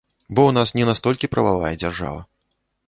Бо ў нас не настолькі прававая дзяржава.